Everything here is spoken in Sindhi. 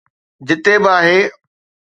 جتي به آهي